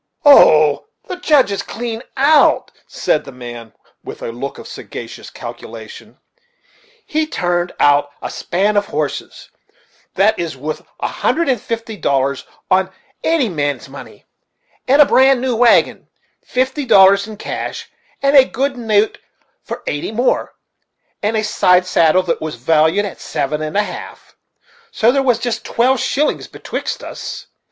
"Oh! the Judge is clean out," said the man with a look of sagacious calculation; "he turned out a span of horses, that is wuth a hundred and fifty dollars of any man's money, with a bran new wagon; fifty dollars in cash, and a good note for eighty more; and a side saddle that was valued at seven and a half so there was jist twelve shillings betwixt us.